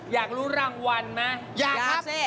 อยากรู้รางวัลไหมอยากสิ